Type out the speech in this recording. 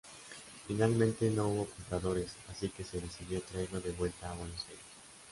Finalmente no hubo compradores, así que se decidió traerlo de vuelta a Buenos Aires.